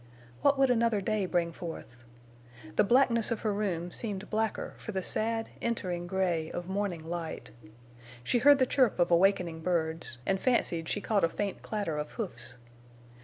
What would another day bring forth? The blackness of her room seemed blacker for the sad, entering gray of morning light. She heard the chirp of awakening birds, and fancied she caught a faint clatter of hoofs.